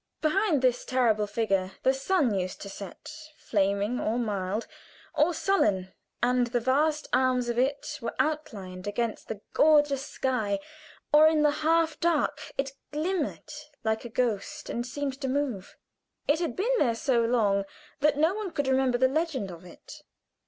Behind this terrible figure the sun used to set, flaming, or mild, or sullen, and the vast arms of it were outlined against the gorgeous sky, or in the half dark it glimmered like a ghost and seemed to move. It had been there so long that none could remember the legend of it.